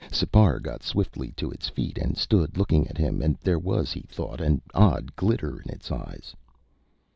Sipar got swiftly to its feet and stood looking at him and there was, he thought, an odd glitter in its eyes.